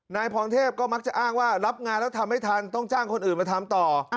นายพรเทพก็มักจะอ้างว่ารับงานแล้วทำไม่ทันต้องจ้างคนอื่นมาทำต่อ